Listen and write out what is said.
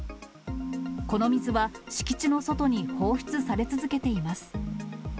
この水は敷地の外に放出され続けています。